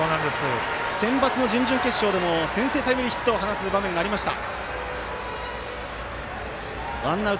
センバツの準々決勝でも先制のタイムリーヒットを放つ場面がありました。